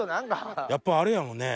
やっぱあれやもんね